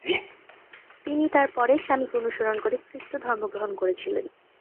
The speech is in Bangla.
তিনি তারপরে স্বামীকে অনুসরণ করে খ্রিস্টধর্ম গ্রহণ করে ছিলেন।